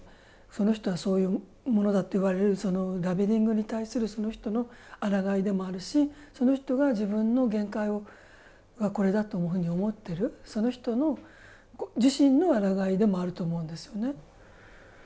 その人は、そういうものだって言われるラベリングに対するその人のあらがいでもあるしその人が自分の限界をこれだというふうに思ってるその人自身のあらがいでもあると思うんですよね。